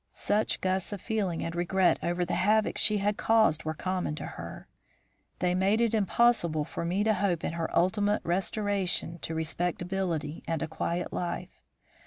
"Such gusts of feeling and regret over the havoc she had caused were common to her. They made it impossible for me to hope in her ultimate restoration to respectability and a quiet life.